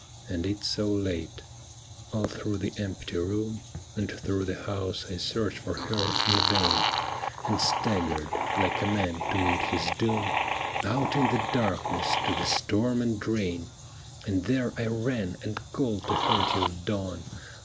And it so late. All through the empty room And through the house I searched for her in vain. And staggered, like a man to meet his doom, Out in the darkness to the storm and rain. ' THE ME WITHIN THEE BLIND !' io$ And there I ran and called to her till dawn.